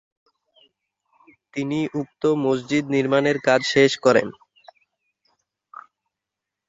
তিনি উক্ত মসজিদ নির্মাণের কাজ শেষ করেন।